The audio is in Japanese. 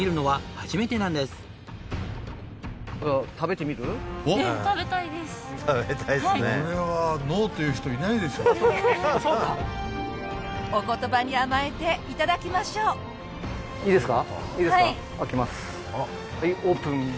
はいオープン。